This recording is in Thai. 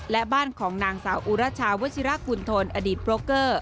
และบ้านของนางสาวอุราชาวชิรากุณฑลอดีตโปรเกอร์